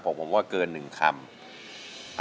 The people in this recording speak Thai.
ผมว่าเกิน๑คำ